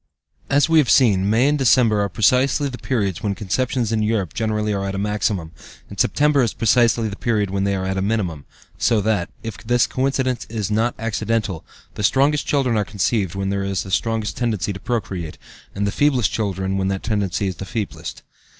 As we have seen, May and December are precisely the periods when conceptions in Europe generally are at a maximum, and September is precisely the period when they are at a minimum, so that, if this coincidence is not accidental, the strongest children are conceived when there is the strongest tendency to procreate, and the feeblest children when that tendency is feeblest.